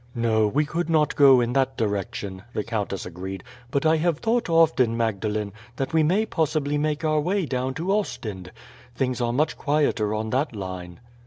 "No, we could not go in that direction," the countess agreed; "but I have thought often, Magdalene, that we may possibly make our way down to Ostend. Things are much quieter on that line."